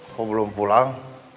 kok belum pulang